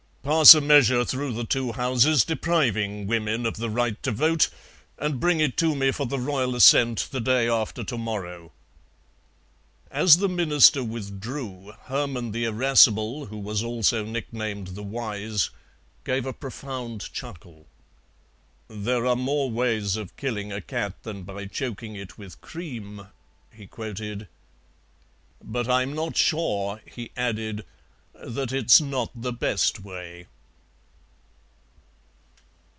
Pass a measure through the two Houses depriving women of the right to vote, and bring it to me for the Royal assent the day after to morrow." As the Minister withdrew, Hermann the Irascible, who was also nicknamed the Wise, gave a profound chuckle. "There are more ways of killing a cat than by choking it with cream," he quoted, "but I'm not sure," he added, "that it's not the best way."